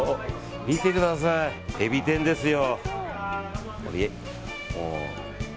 見てください、えび天ですよ。